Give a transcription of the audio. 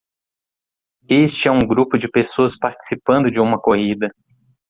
este é um grupo de pessoas participando de uma corrida